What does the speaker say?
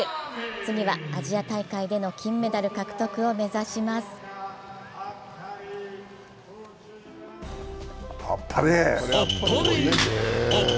次はアジア大会での金メダル獲得を目指しますすごいね。